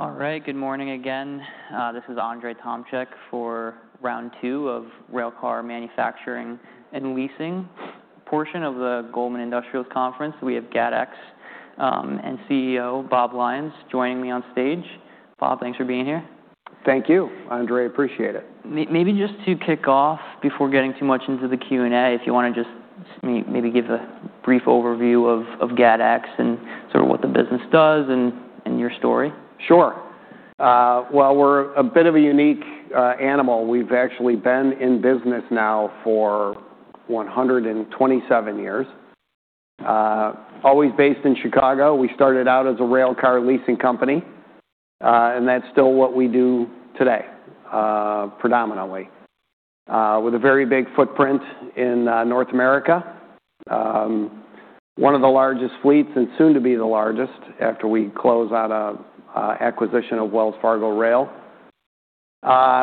All right. Good morning again. This is Andrzej Tomczyk for Round Two of Railcar Manufacturing and Leasing Portion of the Goldman Sachs Industrials Conference. We have GATX and CEO Bob Lyons joining me on stage. Bob, thanks for being here. Thank you. Andrzej, appreciate it. Maybe just to kick off, before getting too much into the Q&A, if you want to just maybe give a brief overview of GATX and sort of what the business does and your story. Sure. Well, we're a bit of a unique animal. We've actually been in business now for 127 years. Always based in Chicago. We started out as a railcar leasing company, and that's still what we do today, predominantly, with a very big footprint in North America. One of the largest fleets and soon to be the largest after we close out an acquisition of Wells Fargo Rail.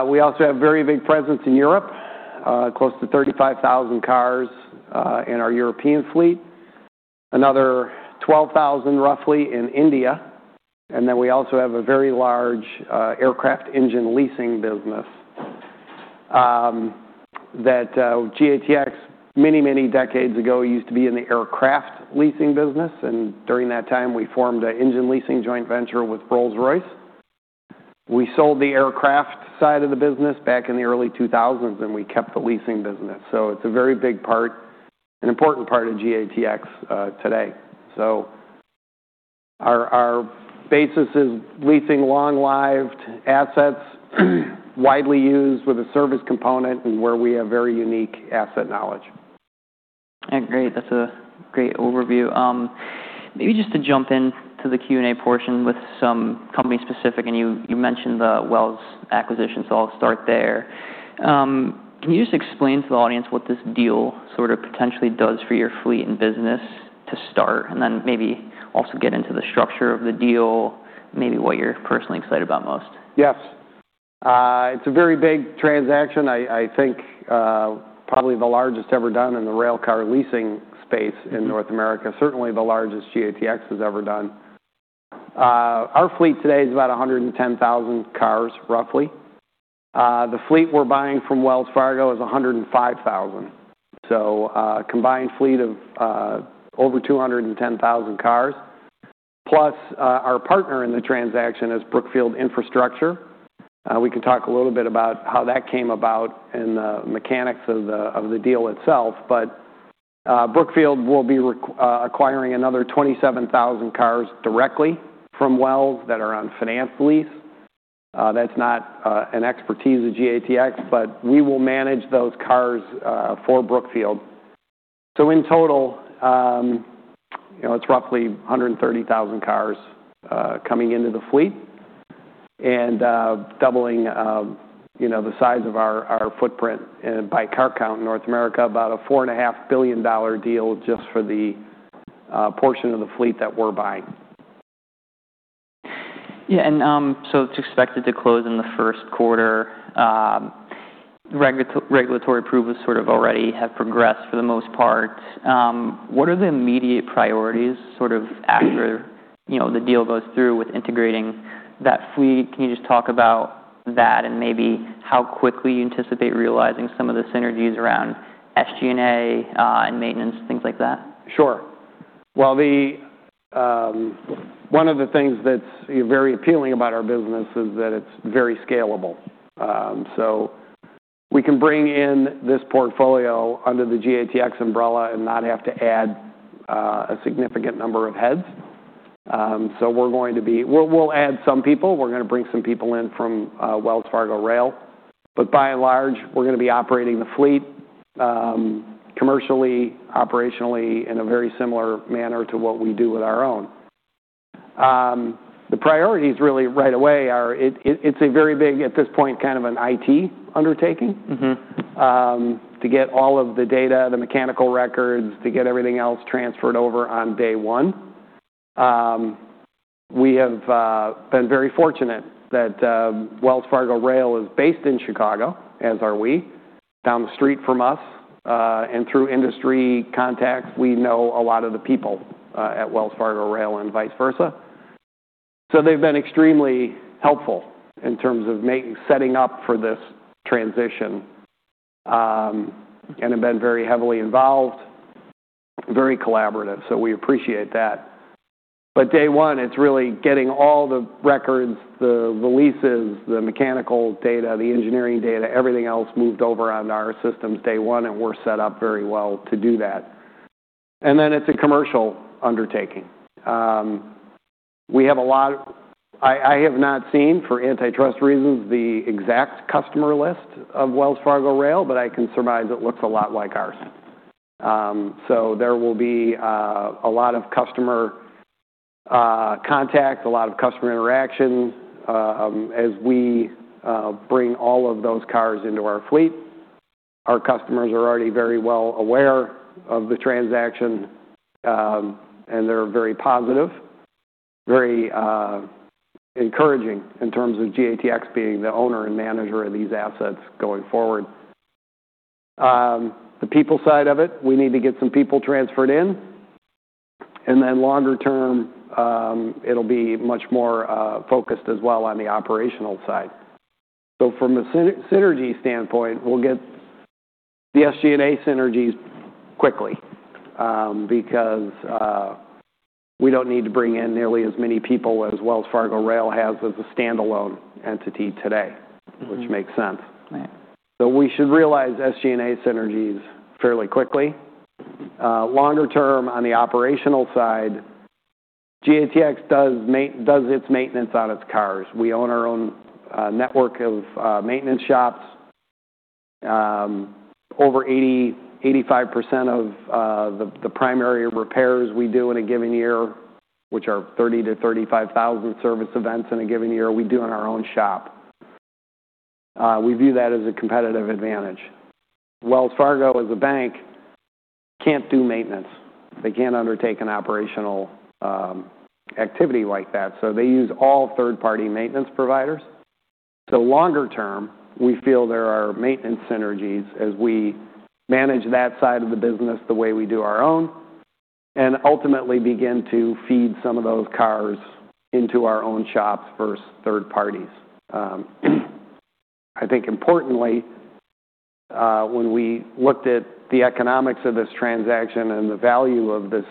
We also have a very big presence in Europe, close to 35,000 cars in our European fleet, another 12,000 roughly in India. And then we also have a very large aircraft engine leasing business that GATX, many, many decades ago, used to be in the aircraft leasing business. And during that time, we formed an engine leasing joint venture with Rolls-Royce. We sold the aircraft side of the business back in the early 2000s, and we kept the leasing business. So it's a very big part, an important part of GATX today. So our basis is leasing long-lived assets, widely used with a service component, and where we have very unique asset knowledge. Great. That's a great overview. Maybe just to jump into the Q&A portion with some company specific, and you mentioned the Wells acquisition, so I'll start there. Can you just explain to the audience what this deal sort of potentially does for your fleet and business to start, and then maybe also get into the structure of the deal, maybe what you're personally excited about most? Yes. It's a very big transaction. I think probably the largest ever done in the railcar leasing space in North America, certainly the largest GATX has ever done. Our fleet today is about 110,000 cars, roughly. The fleet we're buying from Wells Fargo is 105,000. So a combined fleet of over 210,000 cars, plus our partner in the transaction is Brookfield Infrastructure. We can talk a little bit about how that came about and the mechanics of the deal itself, but Brookfield will be acquiring another 27,000 cars directly from Wells that are on finance lease. That's not an expertise of GATX, but we will manage those cars for Brookfield. So in total, it's roughly 130,000 cars coming into the fleet and doubling the size of our footprint by car count in North America, about a $4.5 billion deal just for the portion of the fleet that we're buying. Yeah. And so it's expected to close in the first quarter. Regulatory approvals sort of already have progressed for the most part. What are the immediate priorities sort of after the deal goes through with integrating that fleet? Can you just talk about that and maybe how quickly you anticipate realizing some of the synergies around SG&A and maintenance, things like that? Sure. Well, one of the things that's very appealing about our business is that it's very scalable. We can bring in this portfolio under the GATX umbrella and not have to add a significant number of heads. We're going to be - we'll add some people. We're going to bring some people in from Wells Fargo Rail. But by and large, we're going to be operating the fleet commercially, operationally in a very similar manner to what we do with our own. The priorities really right away are - it's a very big, at this point, kind of an IT undertaking to get all of the data, the mechanical records, to get everything else transferred over on day one. We have been very fortunate that Wells Fargo Rail is based in Chicago, as are we, down the street from us. And through industry contacts, we know a lot of the people at Wells Fargo Rail and vice versa. So they've been extremely helpful in terms of setting up for this transition and have been very heavily involved, very collaborative. We appreciate that. But day one, it's really getting all the records, the leases, the mechanical data, the engineering data, everything else moved over on our systems day one, and we're set up very well to do that. And then it's a commercial undertaking. We have a lot. I have not seen, for antitrust reasons, the exact customer list of Wells Fargo Rail, but I can surmise it looks a lot like ours. So there will be a lot of customer contact, a lot of customer interaction as we bring all of those cars into our fleet. Our customers are already very well aware of the transaction, and they're very positive, very encouraging in terms of GATX being the owner and manager of these assets going forward. The people side of it, we need to get some people transferred in, and then longer term, it'll be much more focused as well on the operational side, so from a synergy standpoint, we'll get the SG&A synergies quickly because we don't need to bring in nearly as many people as Wells Fargo Rail has as a standalone entity today, which makes sense, so we should realize SG&A synergies fairly quickly. Longer term, on the operational side, GATX does its maintenance on its cars. We own our own network of maintenance shops. Over 85% of the primary repairs we do in a given year, which are 30,000 to 35,000 service events in a given year, we do in our own shop. We view that as a competitive advantage. Wells Fargo, as a bank, can't do maintenance. They can't undertake an operational activity like that. So they use all third-party maintenance providers. So longer term, we feel there are maintenance synergies as we manage that side of the business the way we do our own and ultimately begin to feed some of those cars into our own shops versus third parties. I think importantly, when we looked at the economics of this transaction and the value of this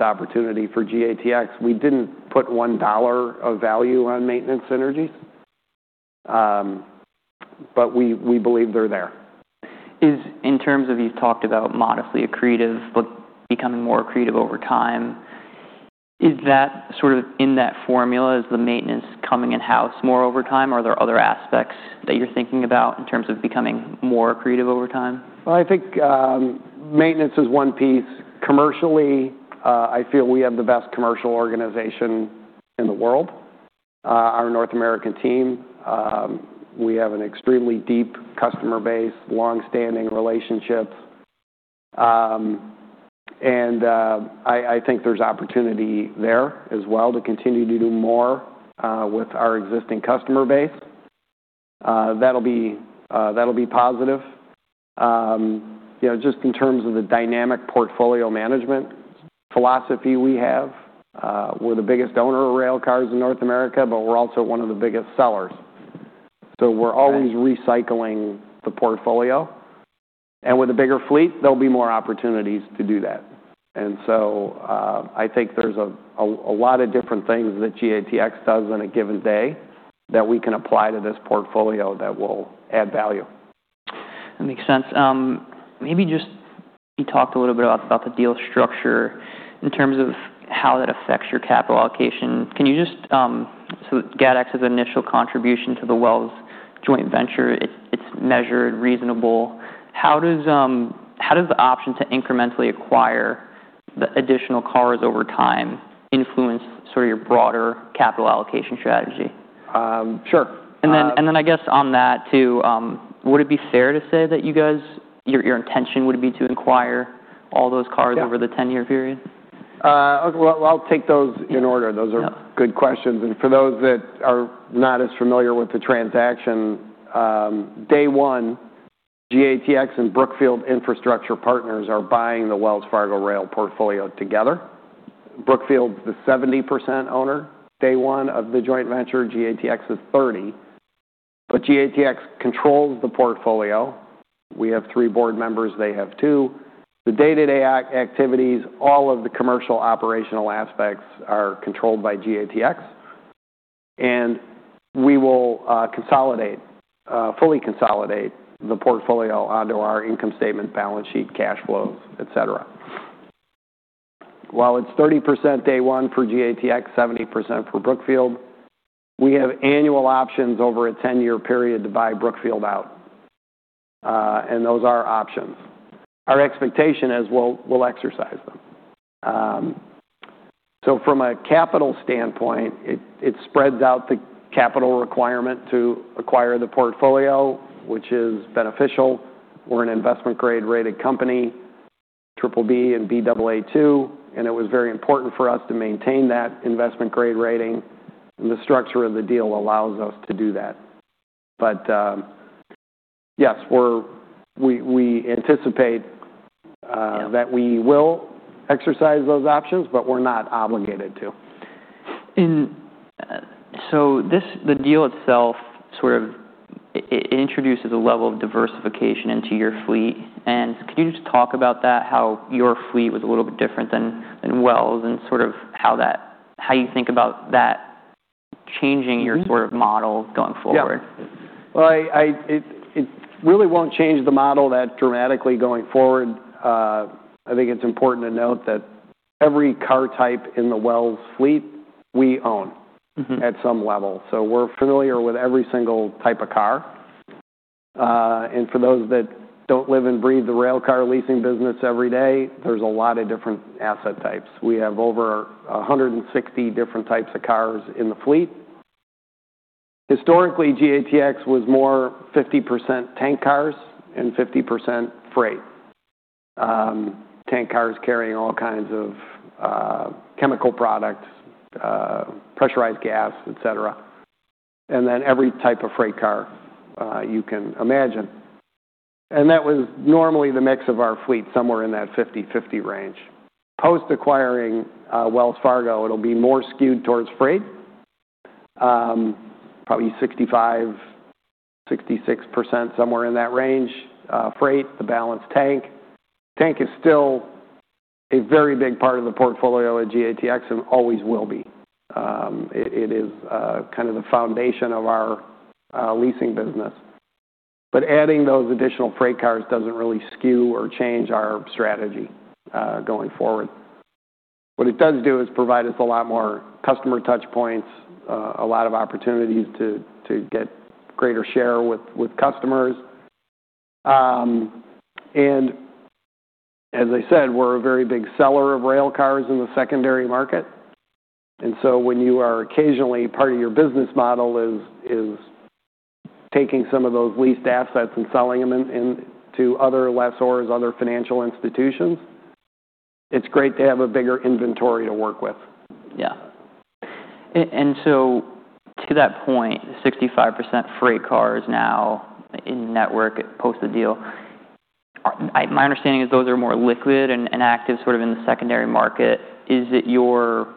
opportunity for GATX, we didn't put $1 of value on maintenance synergies, but we believe they're there. In terms of you've talked about modestly accretive, but becoming more accretive over time, is that sort of in that formula? Is the maintenance coming in-house more over time? Are there other aspects that you're thinking about in terms of becoming more accretive over time? Well, I think maintenance is one piece. Commercially, I feel we have the best commercial organization in the world, our North American team. We have an extremely deep customer base, long-standing relationships. I think there's opportunity there as well to continue to do more with our existing customer base. That'll be positive. Just in terms of the dynamic portfolio management philosophy we have, we're the biggest owner of railcars in North America, but we're also one of the biggest sellers. So we're always recycling the portfolio. And with a bigger fleet, there'll be more opportunities to do that. And so I think there's a lot of different things that GATX does in a given day that we can apply to this portfolio that will add value. That makes sense. Maybe just you talked a little bit about the deal structure in terms of how that affects your capital allocation. Can you just, so GATX has an initial contribution to the Wells joint venture. It's measured, reasonable. How does the option to incrementally acquire the additional cars over time influence sort of your broader capital allocation strategy? Sure. And then I guess on that too, would it be fair to say that you guys, your intention would be to acquire all those cars over the 10-year period? I'll take those in order. Those are good questions. And for those that are not as familiar with the transaction, day one, GATX and Brookfield Infrastructure Partners are buying the Wells Fargo Rail portfolio together. Brookfield's the 70% owner. Day one of the joint venture, GATX is 30%. But GATX controls the portfolio. We have three board members. They have two. The day-to-day activities, all of the commercial operational aspects are controlled by GATX. And we will fully consolidate the portfolio onto our income statement, balance sheet, cash flows, etc. While it's 30% day one for GATX, 70% for Brookfield, we have annual options over a 10-year period to buy Brookfield out. And those are options. Our expectation is we'll exercise them. So from a capital standpoint, it spreads out the capital requirement to acquire the portfolio, which is beneficial. We're an investment-grade rated company, BBB and Baa2, and it was very important for us to maintain that investment-grade rating. And the structure of the deal allows us to do that. But yes, we anticipate that we will exercise those options, but we're not obligated to. So the deal itself sort of introduces a level of diversification into your fleet. And can you just talk about that, how your fleet was a little bit different than Wells and sort of how you think about that changing your sort of model going forward? Yeah. Well, it really won't change the model that dramatically going forward. I think it's important to note that every car type in the Wells fleet we own at some level. We're familiar with every single type of car. And for those that don't live and breathe the railcar leasing business every day, there's a lot of different asset types. We have over 160 different types of cars in the fleet. Historically, GATX was more 50% tank cars and 50% freight. Tank cars carrying all kinds of chemical products, pressurized gas, etc. And then every type of freight car you can imagine. And that was normally the mix of our fleet, somewhere in that 50/50 range. Post-acquiring Wells Fargo, it'll be more skewed towards freight, probably 65%-66%, somewhere in that range. Freight, the balance tank. Tank is still a very big part of the portfolio at GATX and always will be. It is kind of the foundation of our leasing business. But adding those additional freight cars doesn't really skew or change our strategy going forward. What it does do is provide us a lot more customer touchpoints, a lot of opportunities to get greater share with customers. And as I said, we're a very big seller of railcars in the secondary market. And so when you are occasionally, part of your business model is taking some of those leased assets and selling them to other lessors, other financial institutions, it's great to have a bigger inventory to work with. Yeah. And so to that point, 65% freight cars now in network post the deal. My understanding is those are more liquid and active sort of in the secondary market. Is it your,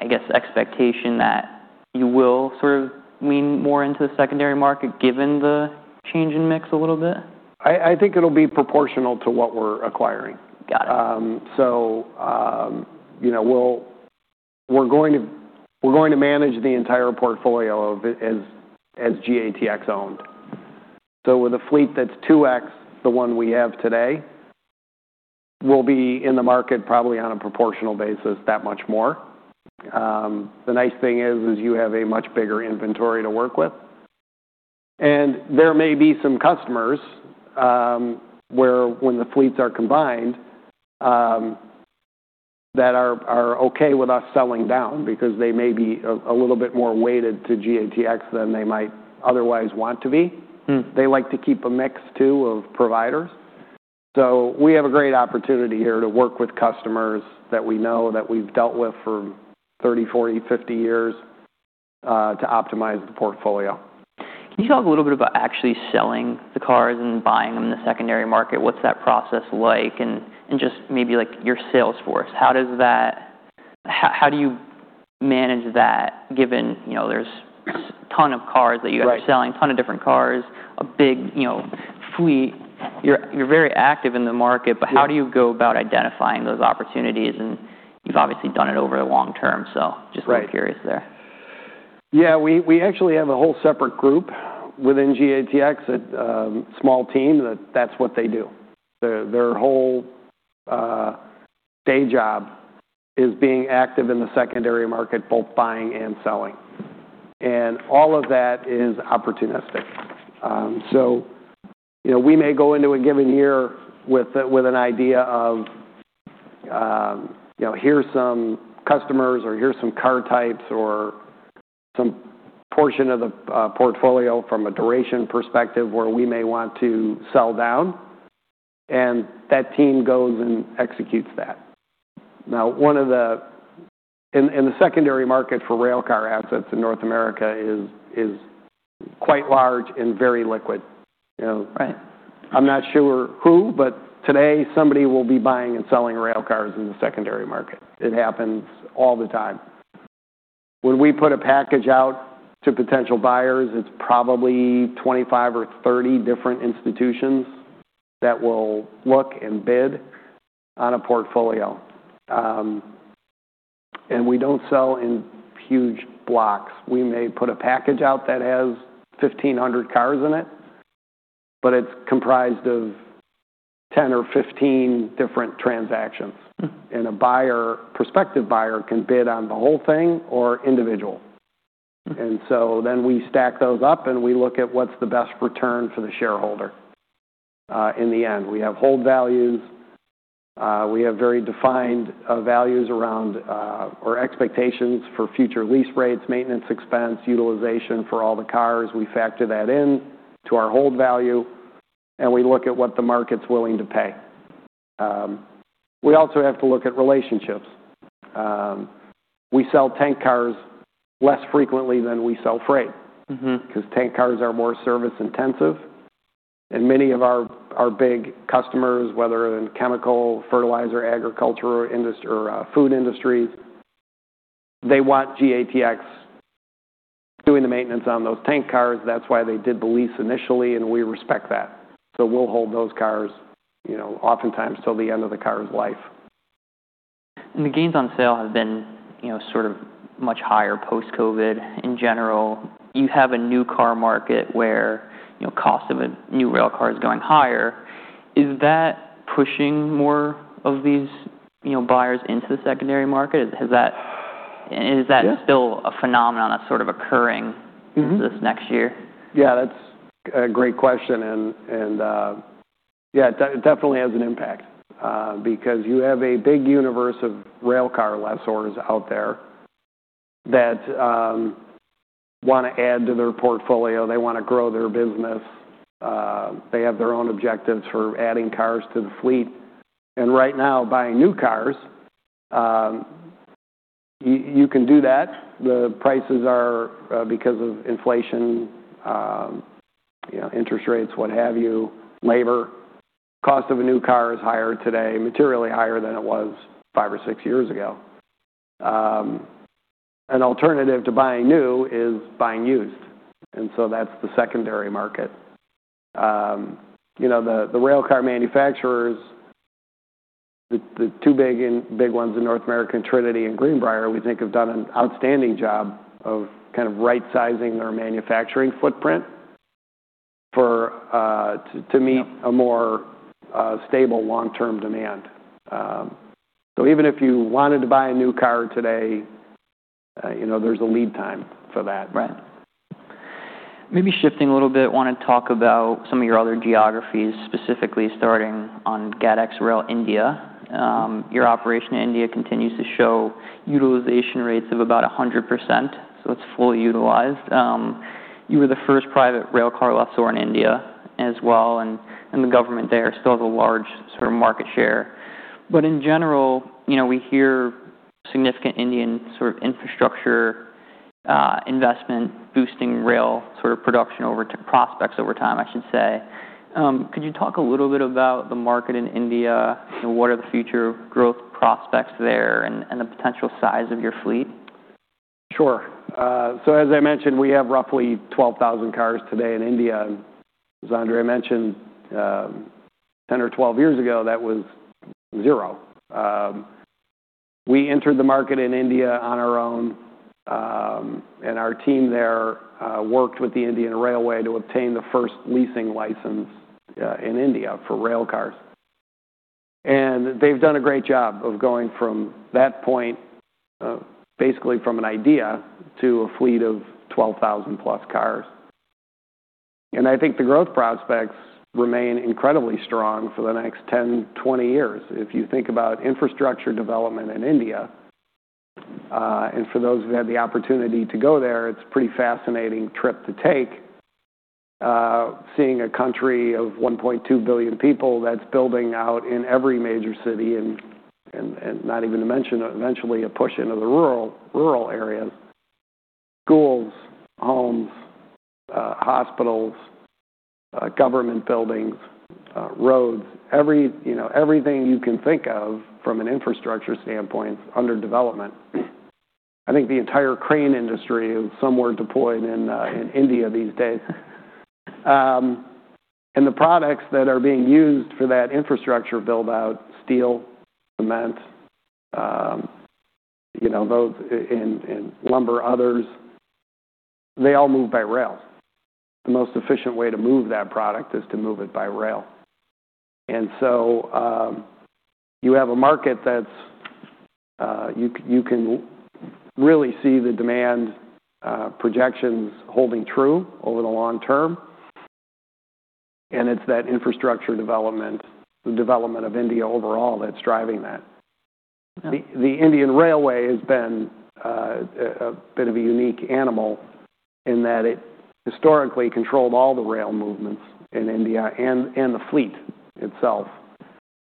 I guess, expectation that you will sort of lean more into the secondary market given the change in mix a little bit? I think it'll be proportional to what we're acquiring. Got it. We're going to manage the entire portfolio as GATX owned. So with a fleet that's 2x the one we have today, we'll be in the market probably on a proportional basis that much more. The nice thing is you have a much bigger inventory to work with. And there may be some customers where when the fleets are combined that are okay with us selling down because they may be a little bit more weighted to GATX than they might otherwise want to be. They like to keep a mix too of providers. So we have a great opportunity here to work with customers that we know that we've dealt with for 30, 40, 50 years to optimize the portfolio. Can you talk a little bit about actually selling the cars and buying them in the secondary market? What's that process like? And just maybe your sales force, how do you manage that given there's a ton of cars that you guys are selling, a ton of different cars, a big fleet? You're very active in the market, but how do you go about identifying those opportunities? And you've obviously done it over the long term, so just curious there. Yeah. We actually have a whole separate group within GATX, a small team. That's what they do. Their whole day job is being active in the secondary market, both buying and selling. And all of that is opportunistic. We may go into a given year with an idea of, "Here's some customers," or, "Here's some car types," or some portion of the portfolio from a duration perspective where we may want to sell down. And that team goes and executes that. Now, and the secondary market for railcar assets in North America is quite large and very liquid. I'm not sure who, but today somebody will be buying and selling railcars in the secondary market. It happens all the time. When we put a package out to potential buyers, it's probably 25 or 30 different institutions that will look and bid on a portfolio. And we don't sell in huge blocks. We may put a package out that has 1,500 cars in it, but it's comprised of 10 or 15 different transactions. And a buyer, prospective buyer, can bid on the whole thing or individual. And so then we stack those up and we look at what's the best return for the shareholder in the end. We have hold values. We have very defined values around our expectations for future lease rates, maintenance expense, utilization for all the cars. We factor that into our hold value, and we look at what the market's willing to pay. We also have to look at relationships. We sell tank cars less frequently than we sell freight because tank cars are more service-intensive. And many of our big customers, whether in chemical, fertilizer, agriculture, or food industries, they want GATX doing the maintenance on those tank cars. That's why they did the lease initially, and we respect that. We'll hold those cars oftentimes till the end of the car's life. And the gains on sale have been sort of much higher post-COVID in general. You have a new car market where the cost of a new railcar is going higher. Is that pushing more of these buyers into the secondary market? Is that still a phenomenon that's sort of occurring into this next year? Yeah, that's a great question, and yeah, it definitely has an impact because you have a big universe of railcar lessors out there that want to add to their portfolio. They want to grow their business. They have their own objectives for adding cars to the fleet, and right now, buying new cars, you can do that. The prices are because of inflation, interest rates, what have you, labor. The cost of a new car is higher today, materially higher than it was five or six years ago. An alternative to buying new is buying used, and so that's the secondary market. The railcar manufacturers, the two big ones in North America, Trinity and Greenbrier, we think have done an outstanding job of kind of right-sizing their manufacturing footprint to meet a more stable long-term demand. Even if you wanted to buy a new car today, there's a lead time for that. Right. Maybe shifting a little bit, I want to talk about some of your other geographies, specifically starting on GATX Rail India. Your operation in India continues to show utilization rates of about 100%, so it's fully utilized. You were the first private railcar lessor in India as well, and the government there still has a large sort of market share. But in general, we hear significant Indian sort of infrastructure investment boosting rail sort of production prospects over time, I should say. Could you talk a little bit about the market in India? What are the future growth prospects there and the potential size of your fleet? Sure. As I mentioned, we have roughly 12,000 cars today in India. As Andrzej mentioned, 10 or 12 years ago, that was zero. We entered the market in India on our own, and our team there worked with the Indian Railways to obtain the first leasing license in India for railcars. And they've done a great job of going from that point, basically from an idea to a fleet of 12,000+ cars. And I think the growth prospects remain incredibly strong for the next 10, 20 years. If you think about infrastructure development in India, and for those who've had the opportunity to go there, it's a pretty fascinating trip to take, seeing a country of 1.2 billion people that's building out in every major city, and not even to mention eventually a push into the rural areas: schools, homes, hospitals, government buildings, roads, everything you can think of from an infrastructure standpoint under development. I think the entire crane industry is somewhere deployed in India these days. And the products that are being used for that infrastructure build-out - steel, cement, lumber, others - they all move by rail. The most efficient way to move that product is to move it by rail. And so you have a market that you can really see the demand projections holding true over the long term. And it's that infrastructure development, the development of India overall that's driving that. The Indian Railways has been a bit of a unique animal in that it historically controlled all the rail movements in India and the fleet itself.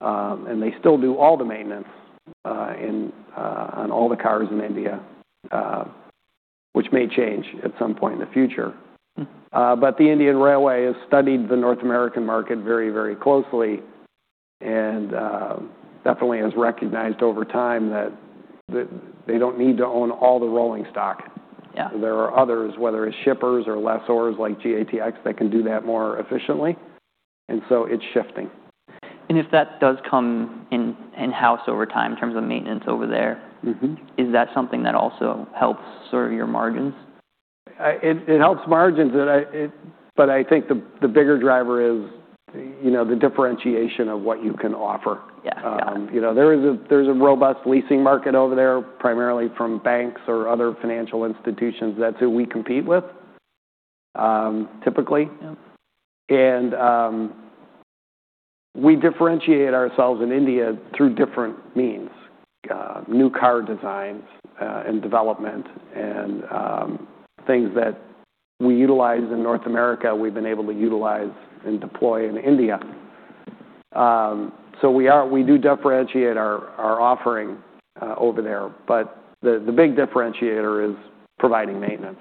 They still do all the maintenance on all the cars in India, which may change at some point in the future. The Indian Railways has studied the North American market very, very closely and definitely has recognized over time that they don't need to own all the rolling stock. There are others, whether it's shippers or lessors like GATX, that can do that more efficiently. So it's shifting. If that does come in-house over time in terms of maintenance over there, is that something that also helps serve your margins? It helps margins, but I think the bigger driver is the differentiation of what you can offer. There's a robust leasing market over there, primarily from banks or other financial institutions. That's who we compete with typically. And we differentiate ourselves in India through different means: new car designs and development and things that we utilize in North America we've been able to utilize and deploy in India. We do differentiate our offering over there. But the big differentiator is providing maintenance,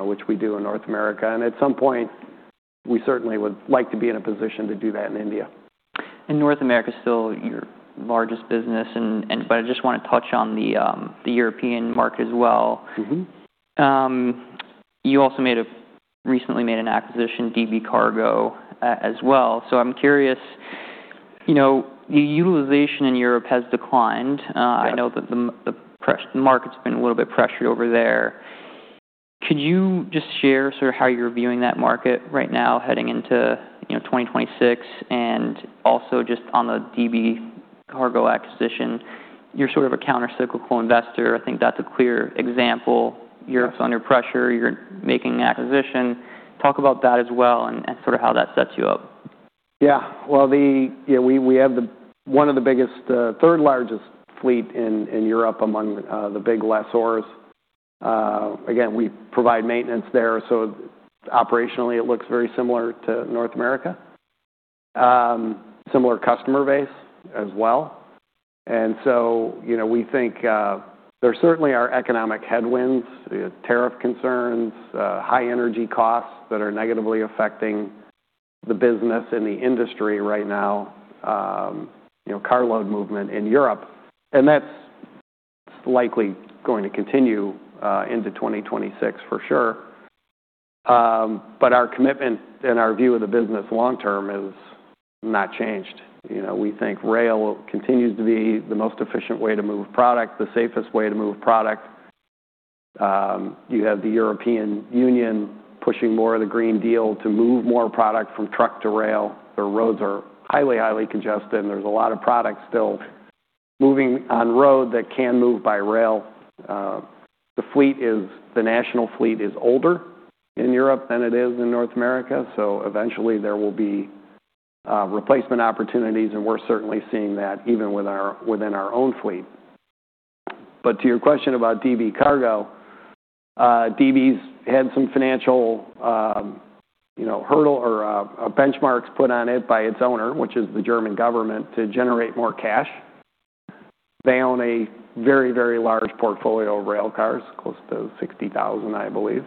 which we do in North America. And at some point, we certainly would like to be in a position to do that in India. North America is still your largest business, but I just want to touch on the European market as well. You also recently made an acquisition, DB Cargo, as well. I'm curious, the utilization in Europe has declined. I know that the market's been a little bit pressured over there. Could you just share sort of how you're viewing that market right now heading into 2026? And also just on the DB Cargo acquisition, you're sort of a countercyclical investor. I think that's a clear example. Europe's under pressure. You're making an acquisition. Talk about that as well and sort of how that sets you up. Yeah. Well, we have one of the biggest, third-largest fleet in Europe among the big lessors. Again, we provide maintenance there. Operationally, it looks very similar to North America, similar customer base as well. We think there certainly are economic headwinds, tariff concerns, high energy costs that are negatively affecting the business and the industry right now, carload movement in Europe. And that's likely going to continue into 2026 for sure. But our commitment and our view of the business long term has not changed. We think rail continues to be the most efficient way to move product, the safest way to move product. You have the European Union pushing more of the Green Deal to move more product from truck to rail. The roads are highly, highly congested. There's a lot of product still moving on road that can move by rail. The national fleet is older in Europe than it is in North America. Eventually, there will be replacement opportunities, and we're certainly seeing that even within our own fleet. But to your question about DB Cargo, DB's had some financial hurdle or benchmarks put on it by its owner, which is the German government, to generate more cash. They own a very, very large portfolio of railcars, close to 60,000, I believe.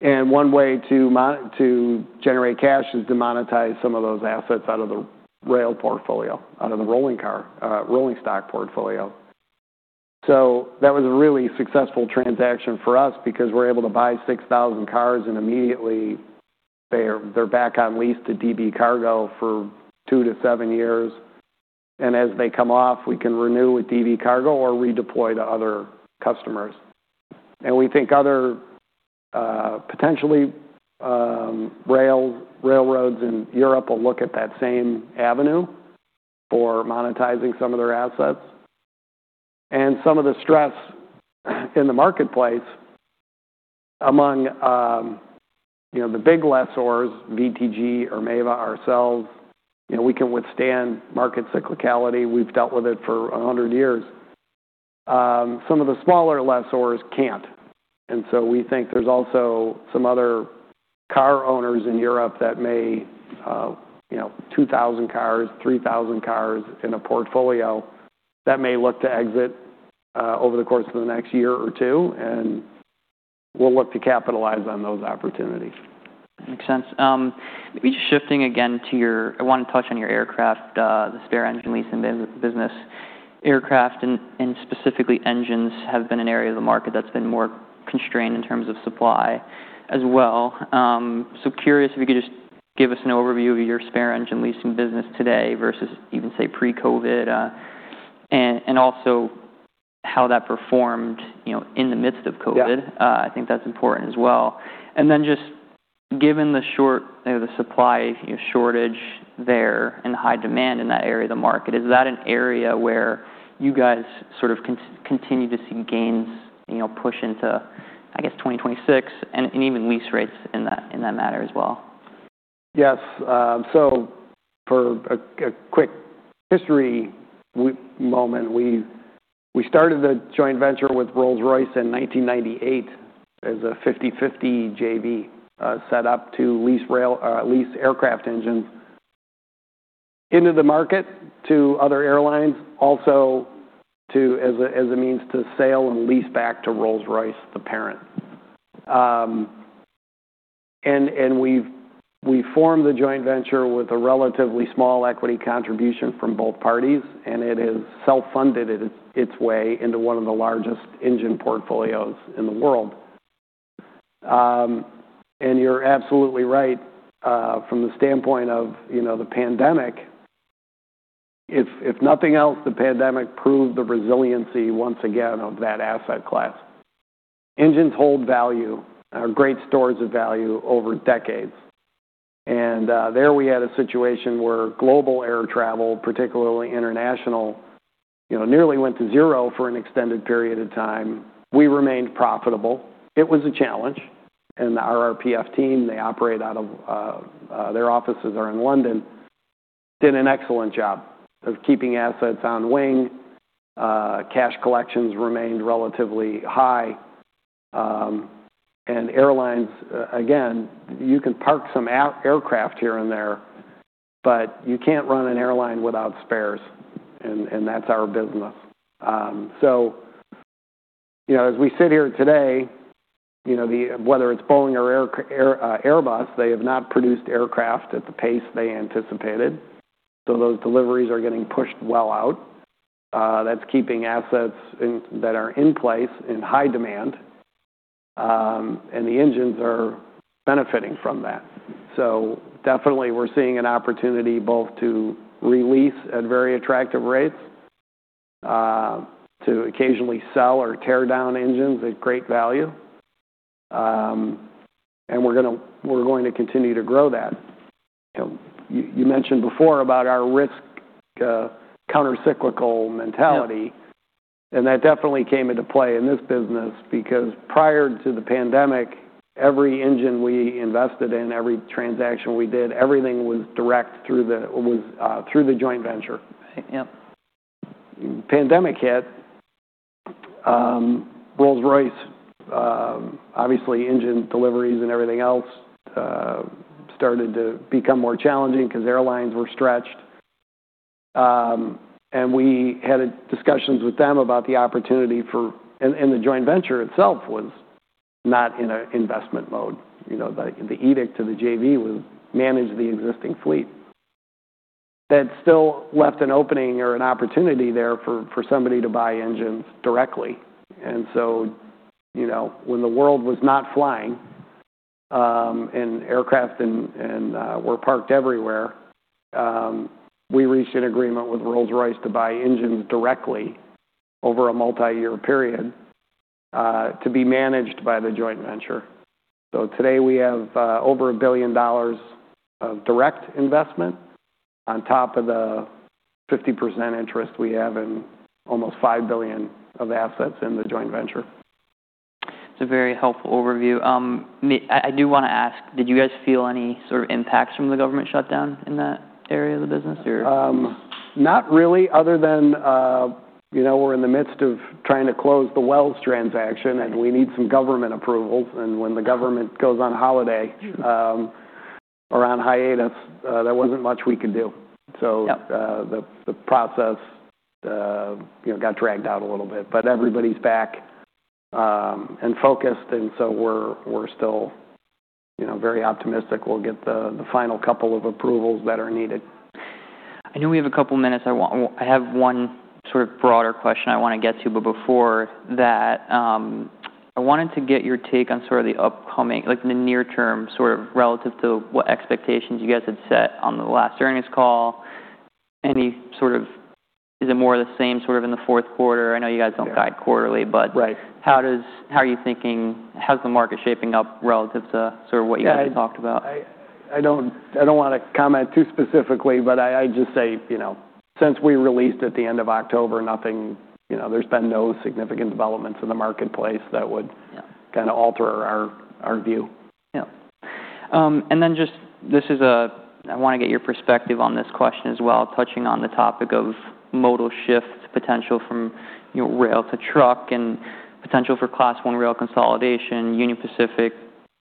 And one way to generate cash is to monetize some of those assets out of the rail portfolio, out of the rolling stock portfolio. That was a really successful transaction for us because we're able to buy 6,000 cars and immediately they're back on lease to DB Cargo for two to seven years. And as they come off, we can renew with DB Cargo or redeploy to other customers. And we think other potentially railroads in Europe will look at that same avenue for monetizing some of their assets. And some of the stress in the marketplace among the big lessors, VTG, Ermewa ourselves, we can withstand market cyclicality. We've dealt with it for 100 years. Some of the smaller lessors can't. We think there's also some other car owners in Europe that may have 2,000 cars, 3,000 cars in a portfolio that may look to exit over the course of the next year or two. And we'll look to capitalize on those opportunities. Makes sense. Maybe just shifting again to your aircraft, I want to touch on your aircraft, the spare engine leasing business. Aircraft and specifically engines have been an area of the market that's been more constrained in terms of supply as well. So curious if you could just give us an overview of your spare engine leasing business today versus even, say, pre-COVID, and also how that performed in the midst of COVID. I think that's important as well. And then just given the short supply shortage there and high demand in that area of the market, is that an area where you guys sort of continue to see gains push into, I guess, 2026 and even lease rates in that matter as well? Yes. For a quick history moment, we started a joint venture with Rolls-Royce in 1998 as a 50/50 JV set up to lease aircraft engines into the market to other airlines, also as a means to sale and lease back to Rolls-Royce, the parent. And we formed the joint venture with a relatively small equity contribution from both parties, and it is self-funded its way into one of the largest engine portfolios in the world. And you're absolutely right. From the standpoint of the pandemic, if nothing else, the pandemic proved the resiliency once again of that asset class. Engines hold value, are great stores of value over decades. And there we had a situation where global air travel, particularly international, nearly went to zero for an extended period of time. We remained profitable. It was a challenge. And the RRPF team, they operate out of their offices in London, did an excellent job of keeping assets on wing. Cash collections remained relatively high. Airlines, again, you can park some aircraft here and there, but you can't run an airline without spares. That's our business. As we sit here today, whether it's Boeing or Airbus, they have not produced aircraft at the pace they anticipated. Those deliveries are getting pushed well out. That's keeping assets that are in place in high demand, and the engines are benefiting from that. Definitely, we're seeing an opportunity both to release at very attractive rates, to occasionally sell or tear down engines at great value. We're going to continue to grow that. You mentioned before about our risk countercyclical mentality, and that definitely came into play in this business because prior to the pandemic, every engine we invested in, every transaction we did, everything was direct through the joint venture. Right. Yep. Pandemic hit. Rolls-Royce, obviously, engine deliveries and everything else started to become more challenging because airlines were stretched. We had discussions with them about the opportunity for, and the joint venture itself was not in an investment mode. The edict to the JV was manage the existing fleet. That still left an opening or an opportunity there for somebody to buy engines directly. And so when the world was not flying and aircraft were parked everywhere, we reached an agreement with Rolls-Royce to buy engines directly over a multi-year period to be managed by the joint venture. So today, we have over $1 billion of direct investment on top of the 50% interest we have in almost $5 billion of assets in the joint venture. It's a very helpful overview. I do want to ask, did you guys feel any sort of impacts from the government shutdown in that area of the business or? Not really, other than we're in the midst of trying to close the Wells transaction, and we need some government approvals. And when the government goes on holiday around hiatus, there wasn't much we could do. So the process got dragged out a little bit. But everybody's back and focused. We're still very optimistic we'll get the final couple of approvals that are needed. I know we have a couple of minutes. I have one sort of broader question I want to get to. But before that, I wanted to get your take on sort of the upcoming, the near-term sort of relative to what expectations you guys had set on the last earnings call. Is it more of the same sort of in the fourth quarter? I know you guys don't guide quarterly, but how are you thinking? How's the market shaping up relative to sort of what you guys talked about? I don't want to comment too specifically, but I'd just say since we released at the end of October, there's been no significant developments in the marketplace that would kind of alter our view. Yeah. And then I want to get your perspective on this question as well, touching on the topic of modal shift potential from rail to truck and potential for Class I rail consolidation, Union Pacific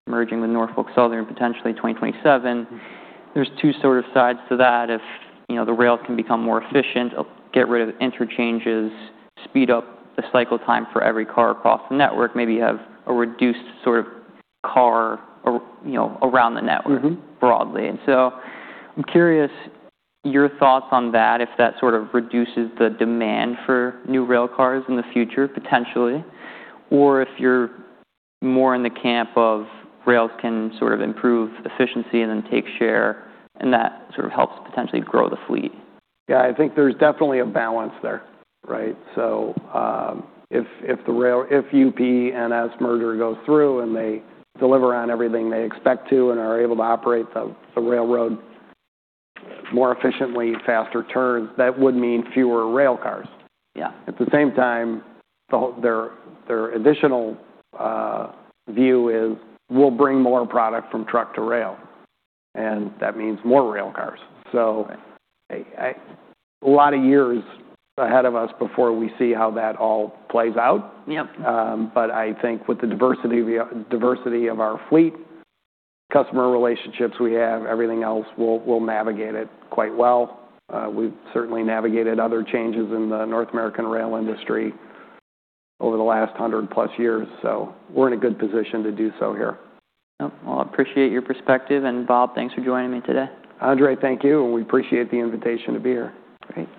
merging with Norfolk Southern potentially in 2027. There's two sort of sides to that. If the rail can become more efficient, get rid of interchanges, speed up the cycle time for every car across the network, maybe have a reduced sort of car around the network broadly. And so I'm curious your thoughts on that, if that sort of reduces the demand for new railcars in the future potentially, or if you're more in the camp of rails can sort of improve efficiency and then take share, and that sort of helps potentially grow the fleet. Yeah. I think there's definitely a balance there, right? So if UP and NS merger go through and they deliver on everything they expect to and are able to operate the railroad more efficiently, faster turns, that would mean fewer railcars. At the same time, their additional view is we'll bring more product from truck to rail. And that means more railcars. A lot of years ahead of us before we see how that all plays out. But I think with the diversity of our fleet, customer relationships we have, everything else, we'll navigate it quite well. We've certainly navigated other changes in the North American rail industry over the last 100+ years. So we're in a good position to do so here. Yep. Well, I appreciate your perspective. And Bob, thanks for joining me today. Andrzej, thank you. We appreciate the invitation to be here. Great.